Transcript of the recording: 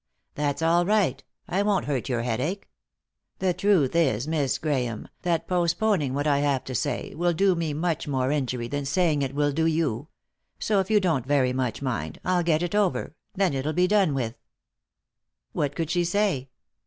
"That's all right; I won't hurt your headache. The truth is, Miss Grahame, that postponing what I have to say will do me much more injury than saying it will do you ; so, if you don't very much mind, I'll get it over, then it'll be done with." What could she say